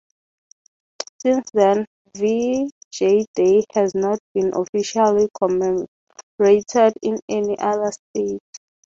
Since then, V-J Day has not been officially commemorated in any other state.